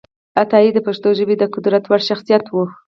عطایي د پښتو ژبې د قدر وړ شخصیت و